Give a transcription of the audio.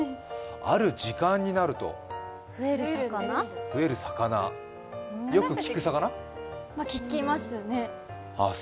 ある時間になると増える魚聞きますね。